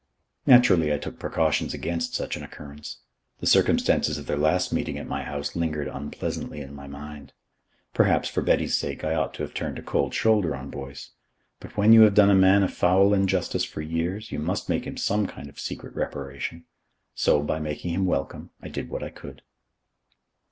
Naturally I took precautions against such an occurrence. The circumstances of their last meeting at my house lingered unpleasantly in my mind. Perhaps, for Betty's sake, I ought to have turned a cold shoulder on Boyce. But when you have done a man a foul injustice for years, you must make him some kind of secret reparation. So, by making him welcome, I did what I could.